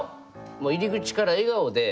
もう入り口から笑顔で。